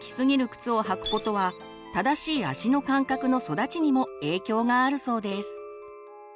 靴を履くことは「正しい足の感覚の育ち」にも影響があるそうです。